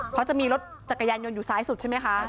เพราะจะมีรถจักรยานยนต์อยู่ซ้ายสุดใช่ไหมคะ